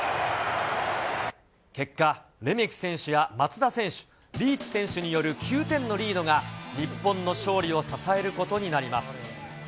結果、レメキ選手や松田選手、リーチ選手による９点のリードが、日本の勝利を支えることになります。